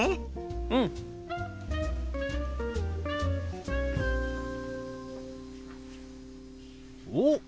うん！おっ！